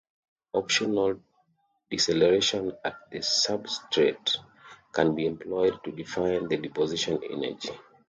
Optional deceleration at the substrate can be employed to define the deposition energy.